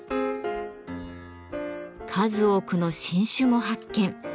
数多くの新種も発見。